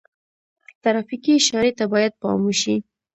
ترافیکي اشارې ته باید پام وشي.